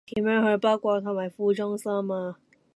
點樣去北角和富中心